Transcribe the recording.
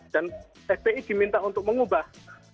dan fpi diminta untuk mengubah